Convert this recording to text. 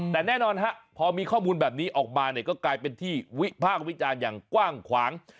แต่แน่นอนฮะพอมีข้อมูลแบบนี้ออกมาเนี่ยก็กลายเป็นที่วิพากษ์วิจารณ์อย่างกว้างขวาง